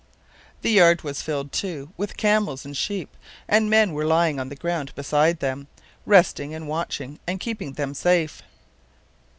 The yard was filled, too, with camels and sheep; and men were lying on the ground beside them, resting and watching and keeping them safe.